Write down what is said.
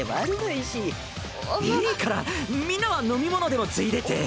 いいからみんなは飲み物でもついでて。